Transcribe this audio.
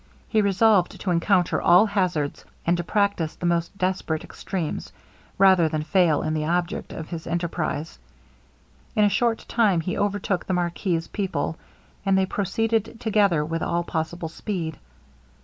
He resolved to encounter all hazards, and to practice the most desperate extremes, rather than fail in the object of his enterprize. In a short time he overtook the marquis's people, and they proceeded together with all possible speed.